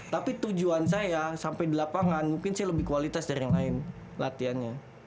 tapi tujuan saya sampai di lapangan mungkin sih lebih kualitas dari yang lain latihannya